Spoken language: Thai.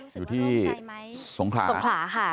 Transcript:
อยู่ที่สงขาค่ะ